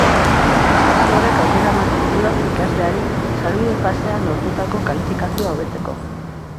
Fase horrek aukera ematen dio ikasleari sarbide fasean lortutako kalifikazioa hobetzeko.